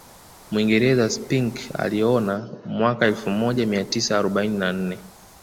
Mwingereza Spink aliona mwaka elfu moja mia tisa arobaini na nne